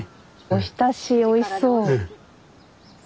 おひたしおいしそう。